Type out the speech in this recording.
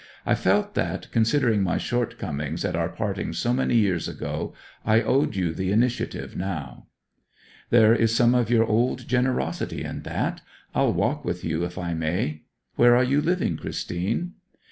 'I felt that, considering my shortcomings at our parting so many years ago, I owed you the initiative now.' 'There is some of your old generosity in that. I'll walk with you, if I may. Where are you living, Christine?'